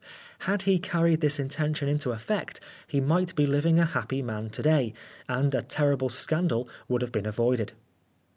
Had he carried this intention into effect, he might be living a happy man to day, and a terrible scandal would have been avoided.